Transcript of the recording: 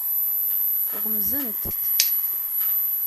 Ɣemzent.